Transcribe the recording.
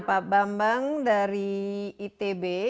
pak bambang dari itb